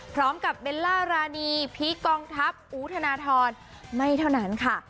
พร้อมกับเบลล่าราณีพีคองทัพอู๋ธนาธรไม่เท่านั้นค่ะ